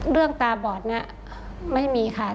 เรื่องตาบอดนี่ไม่มีค่ะ